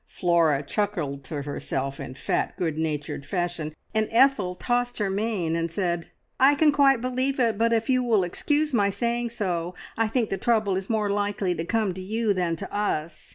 Flora chuckled to herself in fat, good natured fashion, and Ethel tossed her mane and said "I can quite believe it, but if you will excuse my saying so, I think the trouble is more likely to come to you than to us!